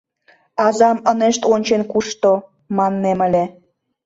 Азам ынешт ончен кушто, маннем ыле.